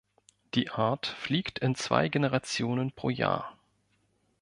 Die Art fliegt in zwei Generationen pro Jahr.